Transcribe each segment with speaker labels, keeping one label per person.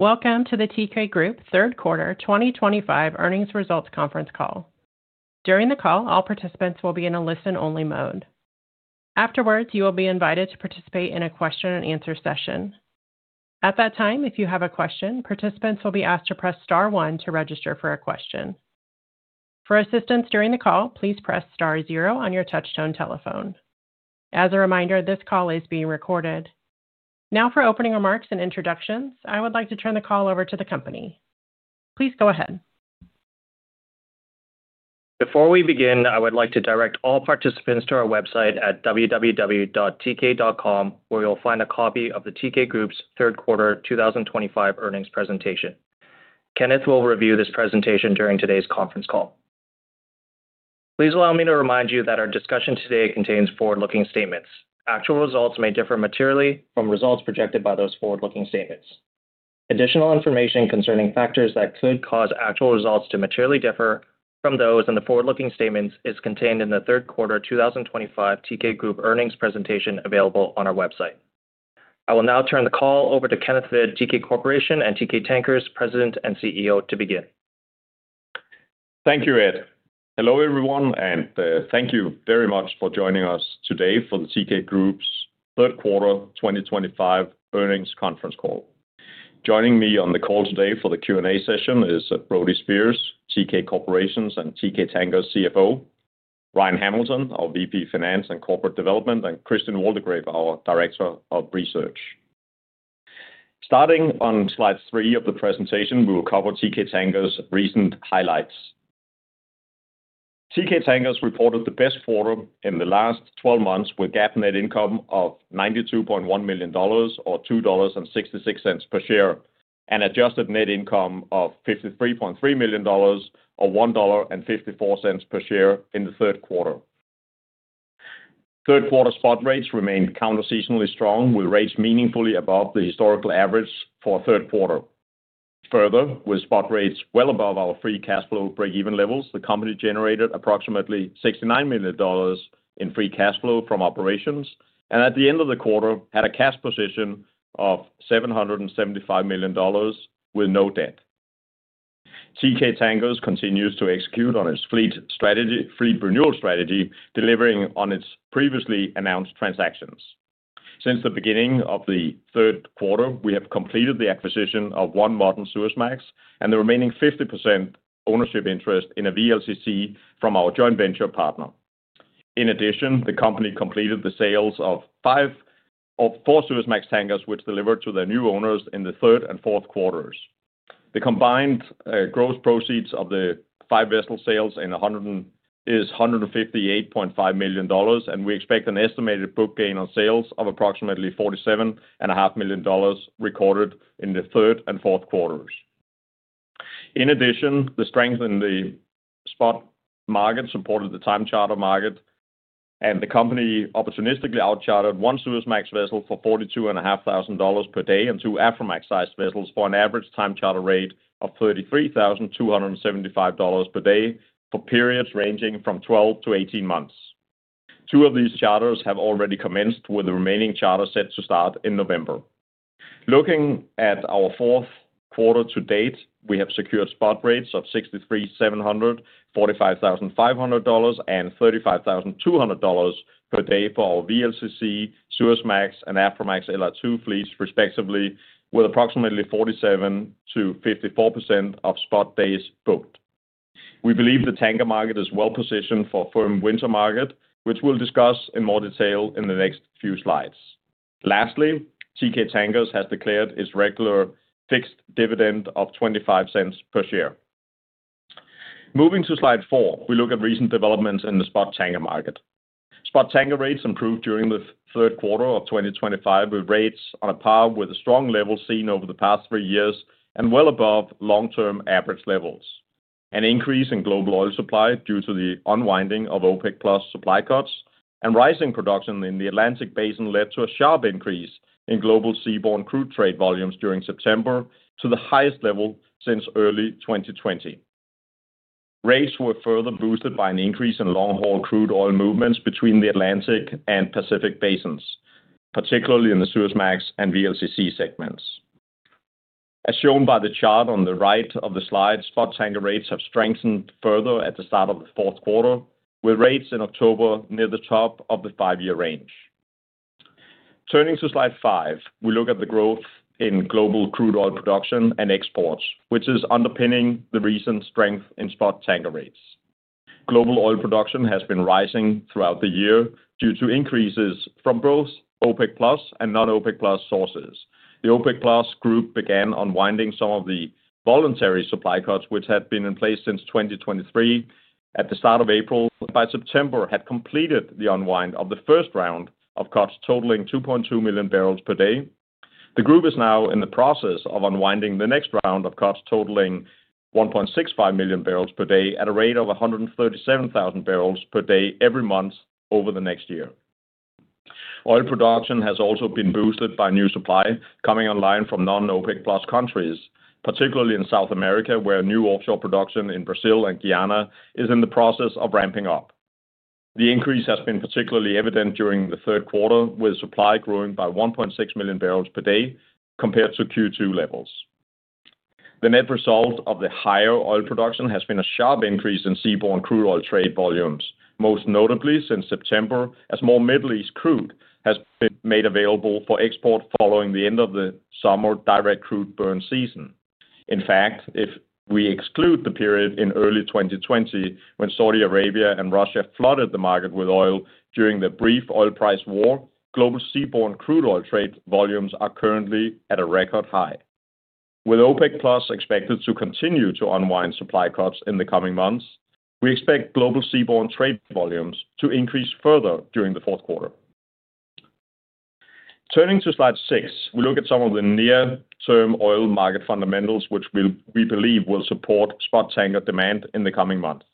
Speaker 1: Welcome to the Teekay Group Third Quarter 2025 Earnings Results Conference Call. During the call, all participants will be in a listen-only mode. Afterwards, you will be invited to participate in a question and answer session. At that time, if you have a question, participants will be asked to press Star one to register for a question. For assistance during the call, please press Star zero on your touchtone telephone. As a reminder, this call is being recorded. Now for opening remarks and introductions, I would like to turn the call over to the company. Please go ahead.
Speaker 2: Before we begin, I would like to direct all participants to our website at www.teekay.com where you'll find a copy of the Teekay Group's third quarter 2025 earnings presentation. Kenneth will review this presentation during today's conference call. Please allow me to remind you that our discussion today contains forward-looking statements. Actual results may differ materially from results projected by those forward-looking statements. Additional information concerning factors that could cause actual results to materially differ from those in the forward-looking statements is contained in the third quarter 2025 Teekay Group earnings presentation available on our website. I will now turn the call over to Kenneth Hvid, Teekay Corporation and Teekay Tankers Ltd. President and CEO, to begin.
Speaker 3: Thank you, Ed. Hello everyone, and thank you very much for joining us today for the Teekay Group's third quarter 2025 earnings conference call. Joining me on the call today for the Q&A session is Brody Speers Teekay Corporation and Teekay Tankers Ltd. Chief Financial Officer, Ryan Hamilton, our Vice President, Finance and Corporate Development, and Christian Waldegrave, our Director of Research. Starting on slide 3 of the presentation, we will cover Teekay Tankers Ltd.'s recent highlights. Teekay Tankers Ltd. has reported the best quarter in the last 12 months with GAAP net income of $92.1 million, $2.66 per share and adjusted net income of $53.3 million or $1.54 per share in the third quarter. Third quarter spot rates remained counter-seasonally strong, with rates meaningfully above the historical average for the third quarter. Further, with spot rates well above our free cash flow breakeven levels, the company generated approximately $69 million in free cash flow from operations, and at the end of the quarter had a cash position of $775 million with no debt. Teekay Tankers Ltd. continues to execute on its fleet renewal strategy, delivering on its previously announced transactions. Since the beginning of the third quarter we have completed the acquisition of one modern Suezmax and the remaining 50% ownership interest in a VLCC from our joint venture partner in addition, the company completed the sales of five of four Suezmax tankers which delivered to their new owners in the third and fourth quarters. The combined gross proceeds of the five vessel sales is $158.5 million and we expect an estimated book gain on sales of approximately $47.5 million recorded in the third and fourth quarters. In addition, the strength in the spot market supported the time charter market and the company opportunistically out chartered one Suezmax vessel for $42,500 per day and two Aframax sized vessels for an average time charter rate of $33,275 per day for periods ranging from 12 to 18 months. Two of these charters have already commenced with the remaining charter set to start in November. Looking at our fourth quarter to date, we have secured spot rates of $63,745, $50,000, and $35,200 per day for our VLCC, Suezmax, and Aframax LR2 fleets respectively, with approximately 47%-54% of spot days booked. We believe the tanker market is well positioned for firm winter market, which we'll discuss in more detail in the next few slides. Lastly, Teekay Tankers Ltd. has declared its regular fixed dividend of $0.25 per share. Moving to slide 4, we look at recent developments in the spot tanker market. Spot tanker rates improved during the third quarter of 2025 with rates on a par with a strong level seen over the past three years and well above long term average levels. An increase in global oil supply due to the unwinding of OPEC supply cuts and rising production in the Atlantic Basin led to a sharp increase in global seaborne crude trade volumes during September to the highest level since early 2020. Rates were further boosted by an increase in long haul crude oil movements between the Atlantic and Pacific basins, particularly in the Suezmax and VLCC segments as shown by the chart on the right of the slide. Spot tanker rates have strengthened further at the start of the fourth quarter with rates in October near the top of the five-year range. Turning to slide five, we look at the growth in global crude oil production and exports, which is underpinning the recent strength in spot tanker rates. Global oil production has been rising throughout the year due to increases from both OPEC and non-OPEC sources. The OPEC group began unwinding some of the voluntary supply cuts, which had been in place since 2023, at the start of April. By September, it had completed the unwind of the first round of cuts totaling 2.2 million barrels per day. The group is now in the process of unwinding the next round of cuts, totaling 1.65 million barrels per day at a rate of 137,000 barrels per day every month over the next year. Oil production has also been boosted by new supply coming online from non-OPEC countries, particularly in South America, where new offshore production in Brazil and Guyana is in the process of ramping up. The increase has been particularly evident during the third quarter, with supply growing by 1.6 million barrels per day compared to Q2 levels. The net result of the higher oil production has been a sharp increase in seaborne crude oil trade volumes, most notably since September as more Middle East crude has been made available for export following the end of the summer direct crude burn season. In fact, if we exclude the period in early 2020, when Saudi Arabia and Russia flooded the market with oil during the brief oil price war, global seaborne crude oil trade volumes are currently at a record high. With OPEC expected to continue to unwind supply cuts in the coming months, we expect global seaborne trade volumes to increase further during the fourth quarter. Turning to Slide 6, we look at some of the near term oil market fundamentals which we believe will support spot tanker demand in the coming months.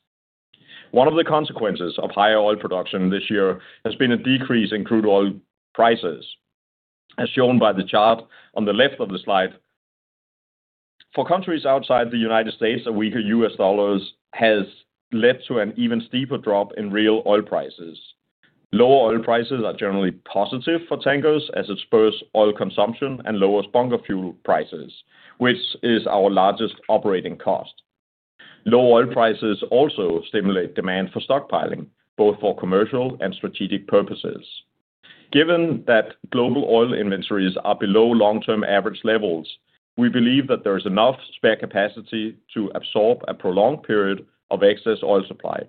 Speaker 3: One of the consequences of higher oil production this year has been a decrease in crude oil prices, as shown by the chart on the left of the slide. For countries outside the United States, a weaker US. dollar has led to an even steeper drop in real oil prices. Lower oil prices are generally positive for tankers as it spurs oil consumption and lowers bunker fuel prices, which is our largest operating cost. Low oil prices also stimulate demand for stockpiling both for commercial and strategic purposes. Given that global oil inventories are below long term average levels, we believe that there is enough spare capacity to absorb a prolonged period of excess oil supply.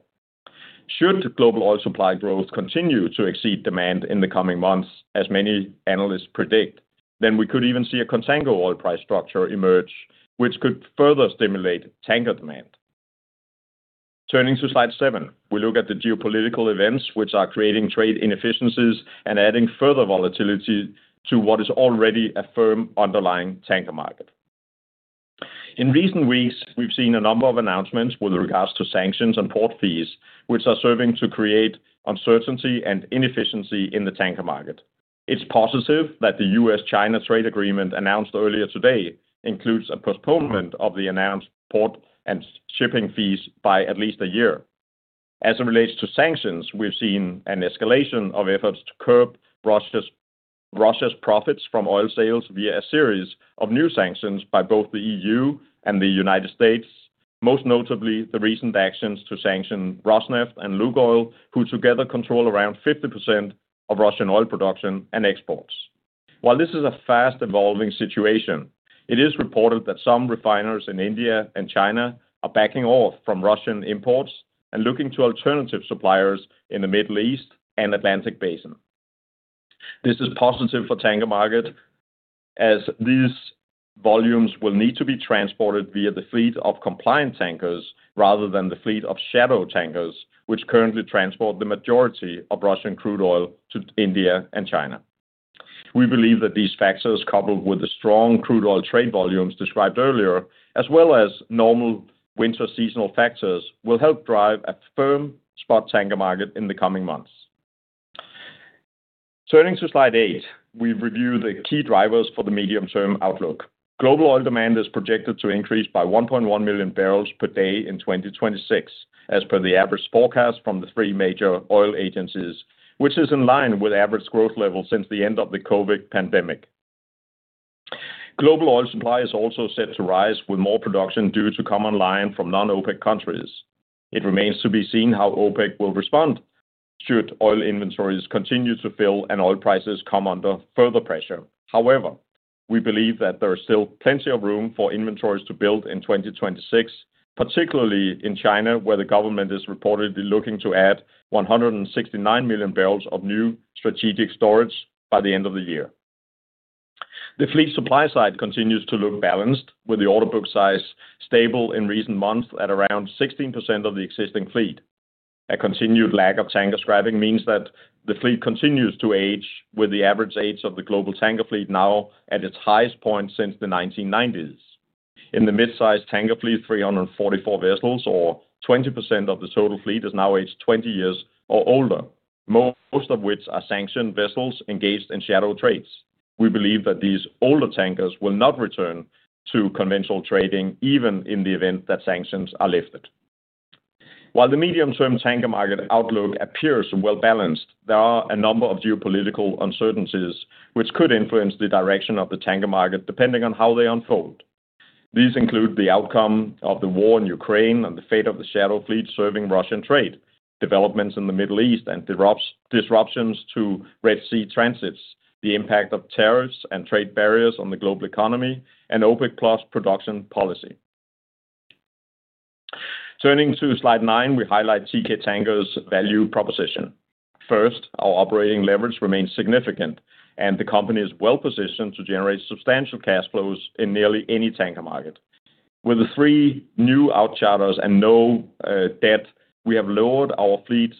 Speaker 3: Should global oil supply growth continue to exceed demand in the coming months, as many analysts predict, then we could even see a contango oil price structure emerge which could further stimulate tanker demand. Turning to Slide 7, we look at the geopolitical events which are creating trade inefficiencies and adding further volatility to what is already a firm underlying tanker market. In recent weeks we've seen a number of announcements with regards to sanctions and port fees which are serving to create uncertainty and inefficiency in the tanker market. It's positive that the U.S.-China Trade Agreement announced earlier today includes a postponement of the announced port and shipping fees by at least a year as it relates to sanctions. We've seen an escalation of efforts to curb Russia's profits from oil sales via a series of new sanctions by both the EU and the United States, most notably the recent actions to sanction Rosneft and Lukoil, who together control around 50% of Russian oil production and exports. While this is a fast evolving situation, it is reported that some refiners in India and China are backing off from Russian imports and looking to alternative suppliers in the Middle East and Atlantic Basin. This is positive for the tanker market as these volumes will need to be transported via the fleet of compliant tankers rather than the fleet of shadow tankers currently transport the majority of Russian crude oil to India and China. We believe that these factors, coupled with the strong crude oil trade volumes described earlier, as well as normal winter seasonal factors, will help drive a firm spot tanker market in the coming months. Turning to slide 8, we review the key drivers for the medium term outlook. Global oil demand is projected to increase by 1.1 million barrels per day in 2026, as per the average forecast from the three major oil agencies, which is in line with average growth level since the end of the COVID pandemic. Global oil supply is also set to rise with more production due to common line from non-OPEC countries. It remains to be seen how OPEC will respond should oil inventories continue to fill and oil prices come under further pressure. However, we believe that there is still plenty of room for inventories to build in 2026, particularly in China, where the government is reportedly looking to add 169 million barrels of new strategic storage by the end of the year. The fleet supply side continues to look balanced, with the order book size stable in recent months at around 16% of the existing fleet. A continued lack of tanker scrapping means that the fleet continues to age, with the average age of the global tanker fleet now at its highest point since the 1990s. In the mid-sized tanker fleet, 344 vessels, or 20% of the total fleet, is now aged 20 years or older, most of which are sanctioned vessels engaged in shadow trades. We believe that these older tankers will not return to conventional trading even in the event that sanctions are lifted. While the medium-term tanker market outlook appears well balanced, there are a number of geopolitical uncertainties which could influence the direction of the tanker market depending on how they unfold. These include the outcome of the war in Ukraine and the fate of the shadow fleet serving Russian trade, developments in the Middle East and disruptions to Red Sea transits, the impact of tariffs and trade barriers on the global economy, and OPEC production policy. Turning to Slide 9, we highlight Teekay Tankers Ltd.'s value proposition. First, our operating leverage remains significant and the company is well positioned to generate substantial cash flows in nearly any tanker market. With the three new out charters and no debt, we have lowered our fleet's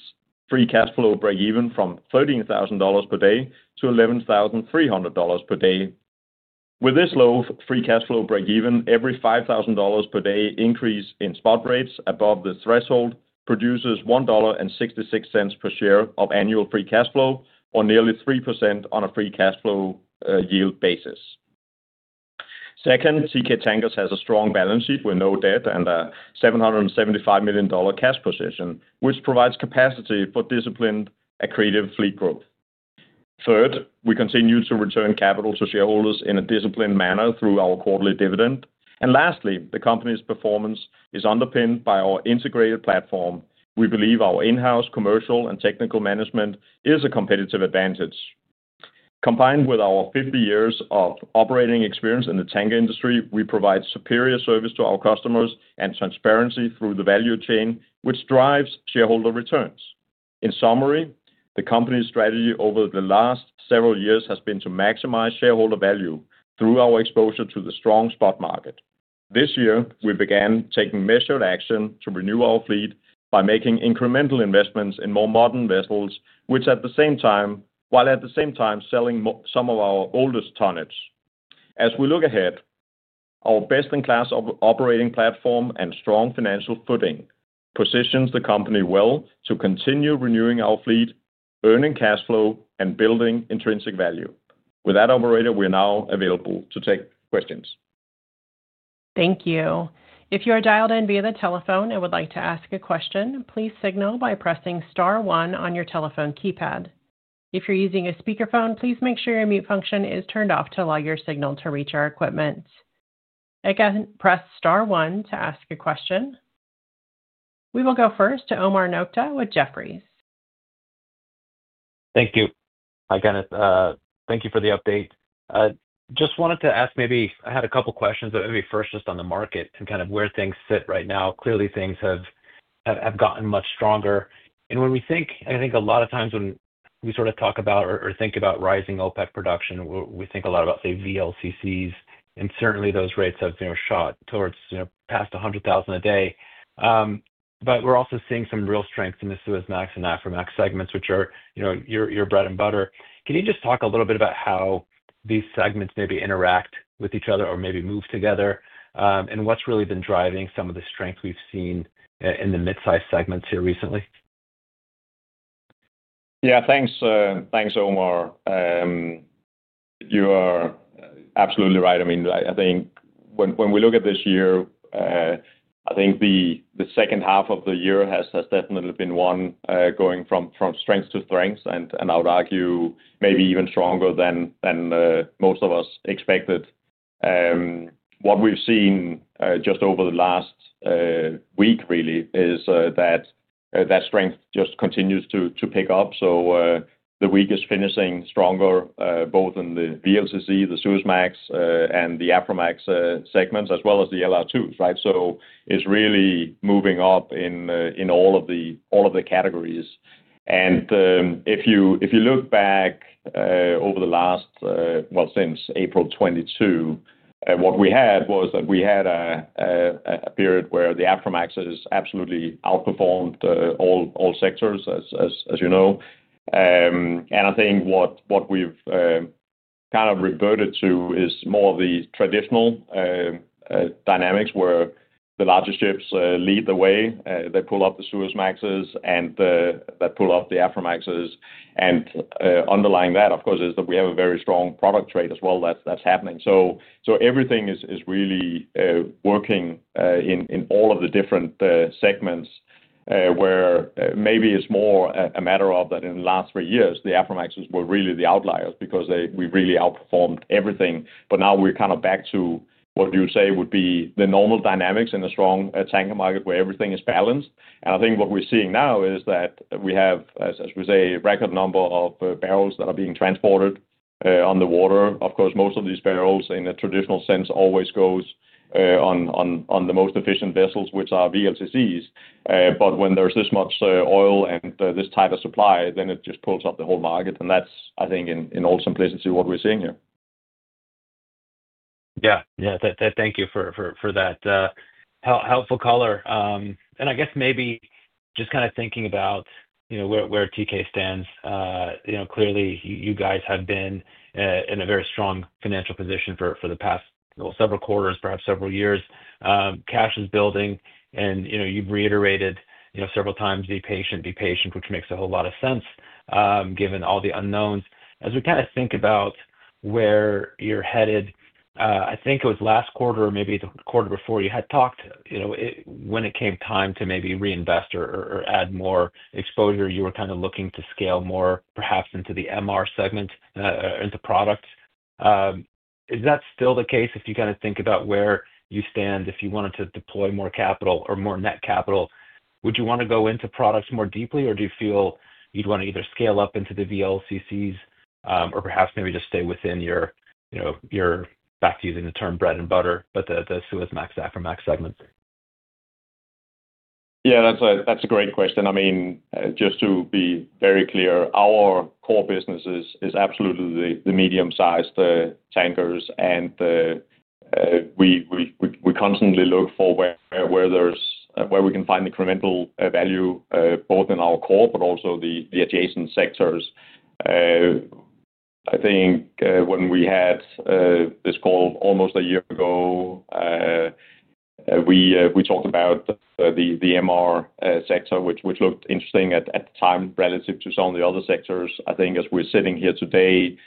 Speaker 3: free cash flow breakeven from $13,000 per day to $11,300 per day. With this low free cash flow breakeven, every $5,000 per day increase in spot rates above the threshold produces $1.66 per share of annual free cash flow or nearly 3% on a free cash flow yield basis. Second, Teekay Tankers Ltd. has a strong balance sheet with no debt and a $775 million cash position, which provides capacity for disciplined, accretive fleet growth. Third, we continue to return capital to shareholders in a disciplined manner through our quarterly dividend. Lastly, the company's performance is underpinned by our integrated platform. We believe our in-house commercial and technical management is a competitive advantage. Combined with our 50 years of operating experience in the tanker industry, we provide superior service to our customers and transparency through the value chain, which drives shareholder returns. In summary, the company's strategy over the last several years has been to maximize shareholder value through our exposure to the strong spot market. This year we began taking measured action to renew our fleet by making incremental investments in more modern vessels, while at the same time selling some of our oldest tonnage. As we look ahead, our best-in-class operating platform and strong financial footing positions the company well to continue renewing our fleet, earning cash flow, and building intrinsic value. With that, operator, we are now available to take questions.
Speaker 1: Thank you. If you are dialed in via the telephone and would like to ask a question, please signal by pressing STAR 1 on your telephone keypad. If you're using a speakerphone, please make sure your mute function is turned off to allow your signal to reach our equipment. Again, press STAR 1 to ask a question. We will go first to Omar Nokta with Jefferies.
Speaker 4: Thank you. Hi Kenneth, thank you for the update. Just wanted to ask, maybe I had a couple questions, maybe first just on the market and kind of where things sit right now. Clearly things have gotten much stronger, and when we think, I think a lot of times when we sort of talk about or think about rising OPEC production, we think a lot about the VLCC, and certainly those rates have shot towards past $100,000 a day. We're also seeing some real strength in the Suezmax and Aframax segments, which are, you know, your bread and butter. Can you just talk a little bit about how these segments maybe interact with each other or maybe move together, and what's really been driving some of the strength we've seen in the mid-sized segments here recently?
Speaker 3: Yeah, thanks. Thanks, Omar. You are absolutely right. I mean, I think when we look at this year, the second half of the year has definitely been one going from strength to strength, and I would argue maybe even stronger than most of us expected. What we've seen just over the last week is that strength just continues to pick up. The week is finishing stronger both in the VLCC, the Suezmax, and the Aframax segments as well as the LR2s. Right. It is really moving up in all of the categories. If you look back over the last, well, since April 2022, what we had was that we had a period where the Aframaxes absolutely outperformed all sectors, as you know. I think what we've kind of reverted to is more the traditional dynamics where the largest ships lead the way, they pull up the Suezmaxes, and that pulls up the Aframaxes. Underlying that, of course, is that we have a very strong product trade as well. That's happening. So everything is really working in all of the different segments where maybe it's more a matter of that in the last three years the Aframax were really the outliers because we really outperformed everything. Now we're kind of back to what you say would be the normal dynamics in a strong tanker market where everything is balanced. I think what we're seeing now is that we have, as we say a record number of barrels being transported on the water. Of course, most of these barrels in a traditional sense always go on the most efficient vessels, which are VLCCs. When there's this much oil and this tighter supply, it just pulls up the whole market. I think in all simplicity what we're seeing here.
Speaker 4: Yeah, yeah. Thank you for that helpful color. I guess maybe just kind of thinking about, you know, where Teekay stands. You know, clearly you guys have been in a very strong financial position for the past several quarters, perhaps several years, cash is building. You know, you've reiterated several times, be patient, be patient, which makes a whole lot of sense given all the unknowns as we kind of think about where you're headed. I think it was last quarter or maybe the quarter before you had talked, you know, when it came time to maybe reinvest or add more exposure, you were kind of looking to scale more perhaps into the MR segment, into product. Is that still the case? If you kind of think about where you stand, if you wanted to deploy more capital or more net capital, would you want to go into products more deeply or do you feel you'd want to either scale up into the VLCCs or perhaps maybe just stay within your, you know, your, back to using the term bread and butter, but the Suezmax, Aframax segments.
Speaker 5: Yeah, that's a great question. Just to be very clear, our core business is absolutely the medium sized tankers. We constantly look for where we can find incremental value both in our core but also the adjacent sectors. I think when we had this call almost a year ago, we talked about the MR, which looked interesting at the time relative to some of the other sectors. I think as we're sitting here today,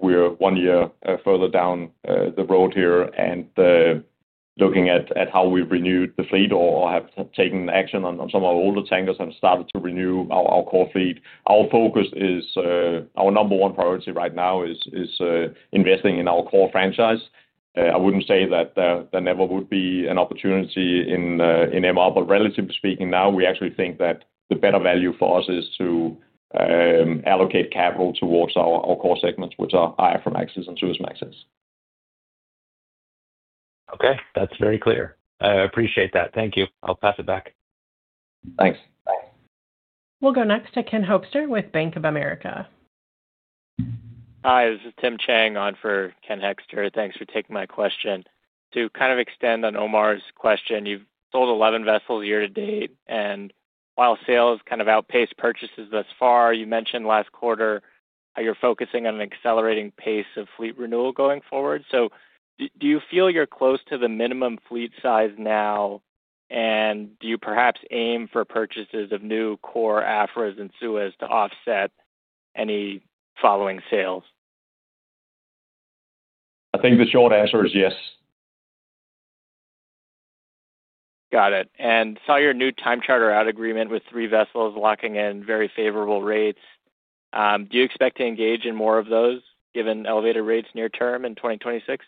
Speaker 5: we're one year further down the road here and looking at how we've renewed the fleet or have taken action on some of our older tankers started to renew our core fleet. Our focus is our number one priority right now is investing in our core franchise. I wouldn't say that there never would be an opportunity in MR, but relatively speaking, now we actually think that the better value for us is to allocate capital towards our core segments, which are Aframax and Suezmax.
Speaker 4: Okay, that's very clear. I appreciate that. Thank you. I'll pass it back.
Speaker 3: Thanks.
Speaker 1: We'll go next to Ken Hoexter with Bank of America Merrill Lynch.
Speaker 6: Hi, this is Tim Chang on for Ken Hoexter. Thanks for taking my question to kind of extend on Omar's question. You've sold 11 vessels year to date, and while sales kind of outpaced purchases thus far, you mentioned last quarter you're focusing on an accelerating pace of fleet renewal going forward. Do you feel you're close to the minimum fleet size now, and do you perhaps aim for purchases of new core Aframax and Suezmax to offset any following sales?
Speaker 3: I think the short answer is yes.
Speaker 6: Got it. I saw your new time charter-out agreement with three vessels locking in very favorable rates. Do you expect to engage in more of those given elevated rates near term in 2026?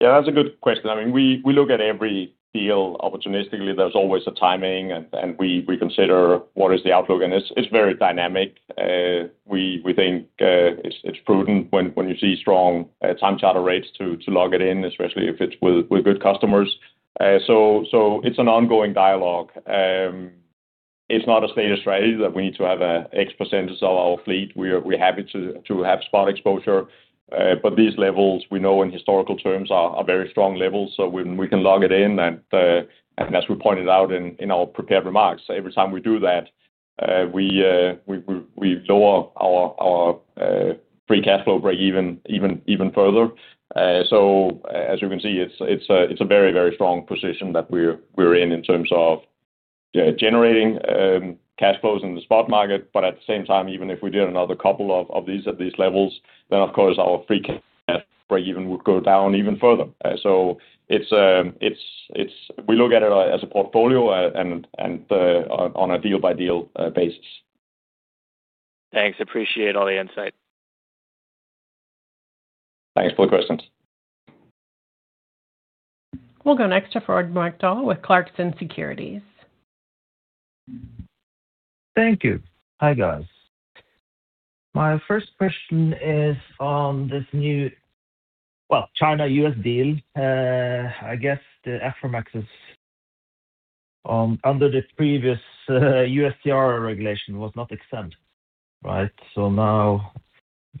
Speaker 5: Yeah, that's a good question. I mean, we look at every deal opportunistically. There's always a timing, and we consider what is the outlook, and it's very dynamic. We think it's prudent when you see strong time charter rates to lock it in, especially if it's with good customers. It's an ongoing dialogue. It's not a state of strategy. We need to have X% of our fleet. We're happy to have spot exposure, but these levels we know in historical terms are very strong levels, so we can log it in. As we pointed out in our prepared remarks, every time we do that. We lower our free cash flow breakeven further. As you can see, it's a very, very strong position that we're in in terms of generating cash flows in the spot market. At the same time, even if we did another couple of these at these levels, of course our free cash flow breakeven would go down even further. So we look at it as a portfolio and on a deal-by-deal basis.
Speaker 6: Thanks. Appreciate all the insight.
Speaker 3: Thanks for the questions.
Speaker 1: We'll go next to Frode Mørkedal with Clarkson Securities.
Speaker 7: Thank you. Hi guys. My first question is on this new China-U.S. deal. I guess the aforementioned under the previous USTR regulation was not exempt. Right. Now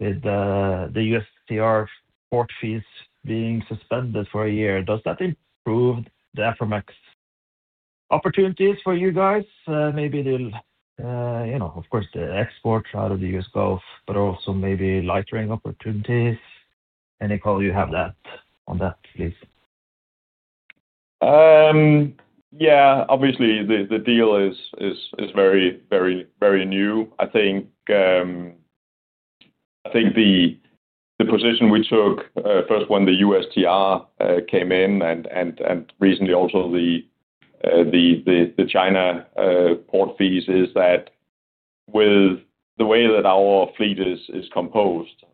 Speaker 7: with the USTR port fees being suspended for a year, does that improve the aforementioned opportunities for you guys? Maybe they'll, you know, of course the export out of the U.S. Gulf, but also maybe lightering opportunities. Any call you have on that, please?
Speaker 5: Yeah, obviously the deal is very, very, very new. I think the position we took first when the USTR came in and recently also the China port fees is that with the way that our fleet is composed.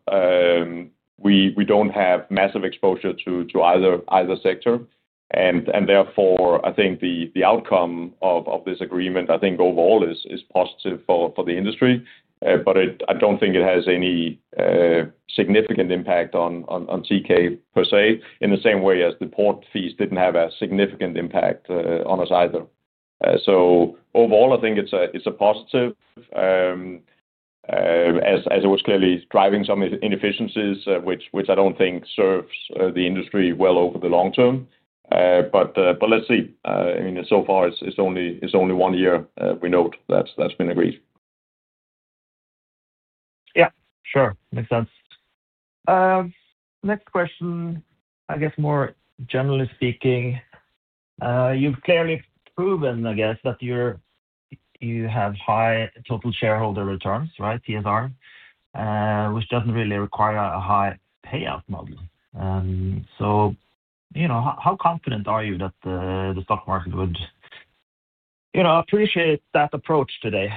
Speaker 5: We don't have massive exposure to either sector. Therefore, I think the outcome of this agreement overall is positive for the industry. I don't think it has any significant impact on Teekay Tankers per se in the same way as the port fees didn't have a significant impact on us either. Overall, I think it's a positive as it was clearly driving some inefficiencies, which I don't think serves the industry well over the long term. Let's see, I mean, so far it's only one year. We know that's been agreed.
Speaker 7: Yeah, sure. Makes sense. Next question, I guess more generally speaking, you've clearly proven that you have high total shareholder returns, right? TSR, which doesn't really require a high payout model. You know, how confident are you that the stock market would appreciate that approach today,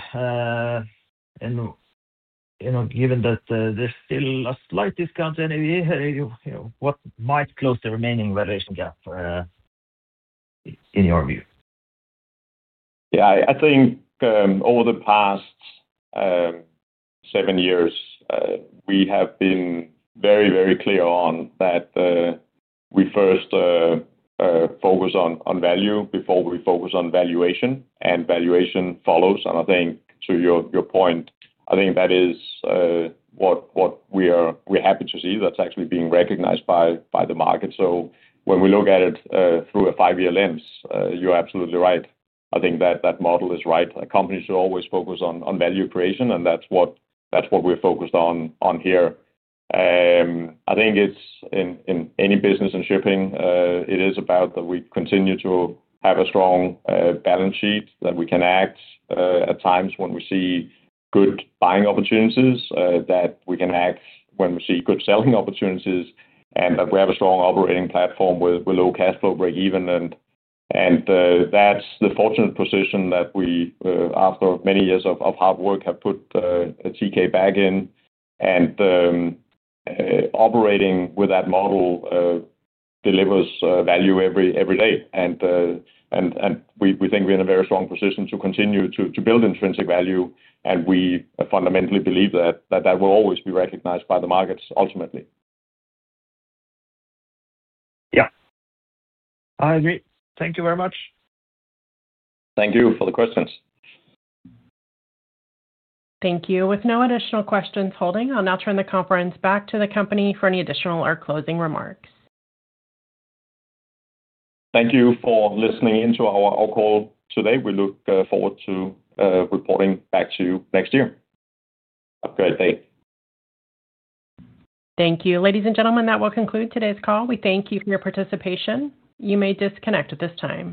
Speaker 7: and given that there's still a slight discount to NAV, what might close the remaining valuation gap in your view?
Speaker 5: Yeah, I think over the past seven years we have been very, very clear on that. We first focus on value before we focus on valuation, and valuation follows. I think to your point, I think that is what we're happy to see that's actually being recognized by the market. When we look at it through a five-year lens, you're absolutely right. I think that that model is right. Companies should always focus on value creation, and that's what we're focused on here. I think in any business in shipping, it is about that we continue to have a strong balance sheet, that we can act at times when we see good buying opportunities, that we can act when we see good selling opportunities, and that we have a strong operating platform with low cash flow breakeven. That's the fortunate position that we, after many years of hard work, have put Teekay Tankers Ltd. in, and operating with that model delivers value every day. We think we're in a very strong position to continue to build intrinsic value, and we fundamentally believe that that will always be recognized by the markets ultimately.
Speaker 7: Yeah, I agree. Thank you very much.
Speaker 5: Thank you for the questions.
Speaker 1: Thank you. With no additional questions holding, I'll now turn the conference back to the company for any additional or closing remarks.
Speaker 5: Thank you for listening in to our call today. We look forward to reporting back to you next year.
Speaker 1: Thank you, ladies and gentlemen. That will conclude today's call. We thank you for your participation. You may disconnect at this time.